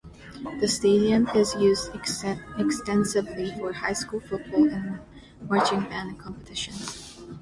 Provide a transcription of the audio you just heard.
The stadium is used extensively for high school football and marching band competitions.